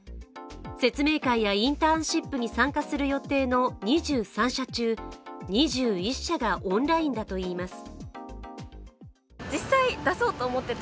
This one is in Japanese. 説明会やインターンシップに参加する予定の２３社中２１社がオンラインだといいます。